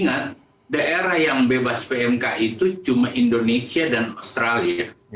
ingat daerah yang bebas pmk itu cuma indonesia dan australia